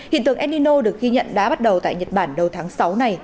hiện tượng enino được ghi nhận đã bắt đầu tại nhật bản đầu tháng sáu này